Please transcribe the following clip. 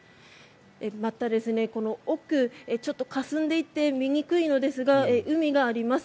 また、この奥ちょっとかすんでいて見にくいのですが海があります。